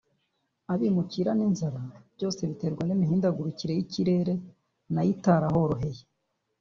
abimukira n’inzara byose bitewe n’imihindagurikire y’ikirere nayo itarahoroheye